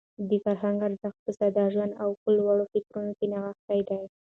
د فرهنګ ارزښت په ساده ژوند او په لوړو فکرونو کې نغښتی دی.